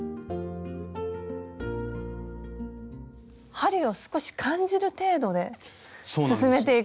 針を少し感じる程度で進めていく？